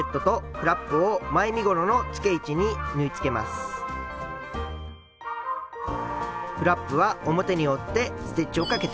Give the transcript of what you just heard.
フラップは表に折ってステッチをかけてください。